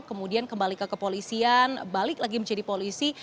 kemudian kembali ke kepolisian balik lagi menjadi polisi